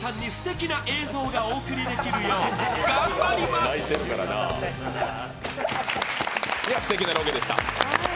すてきなロケでした。